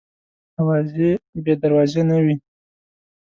اوازې بې دروازې نه وي.